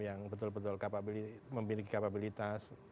yang betul betul memiliki kapabilitas